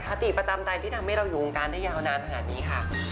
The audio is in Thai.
คติประจำใจที่ทำให้เราอยู่วงการได้ยาวนานขนาดนี้ค่ะ